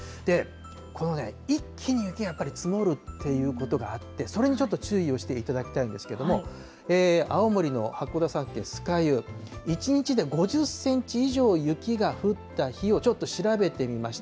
このね、一気に雪が積もるということがあって、それにちょっと注意をしていただきたいんですけれども、青森の八甲田山系酸ヶ湯、１日で５０センチ以上、雪が降った日をちょっと調べてみました。